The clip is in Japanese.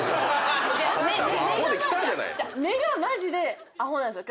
根がマジでアホなんですよ。